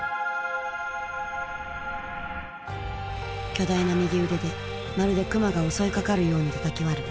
巨大な右腕でまるでクマが襲いかかるようにたたき割る。